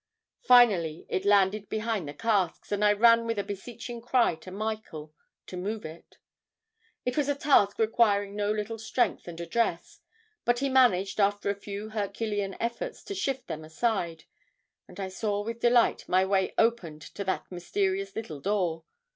Finally it landed behind the casks, and I ran with a beseeching cry to Michael, to move them. "It was a task requiring no little strength and address, but he managed, after a few herculean efforts, to shift them aside and I saw with delight, my way opened to that mysterious little door.